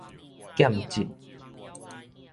劍脊